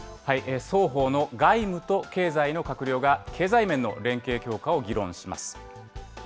双方の外務と経済の閣僚が経済面の連携強化を議論します。